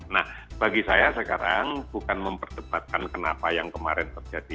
nah bagi saya sekarang bukan memperdebatkan kenapa yang kemarin terjadi